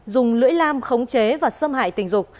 dùng lưỡi lam khống chế và xâm hại tình dục